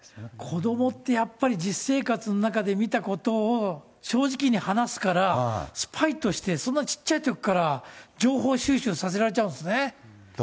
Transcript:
子どもってやっぱり、実生活の中で見たことを正直に話すから、スパイとして、そんな小さいときから情報収集させられちゃうんですね。